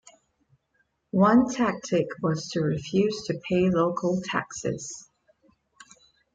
One tactic was to refuse to pay local taxes.